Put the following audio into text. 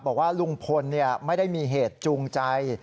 บอกว่าลุงพลไม่ได้มีเหตุจูงใจ